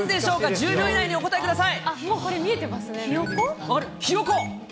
１０秒以内でお答えください。